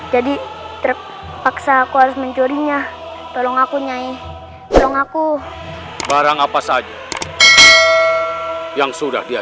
jadi terpaksa aku harus mencurinya tolong aku nyai tolong aku barang apa saja yang sudah dia